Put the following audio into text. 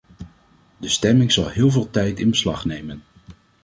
De stemming zal heel veel tijd in beslag nemen.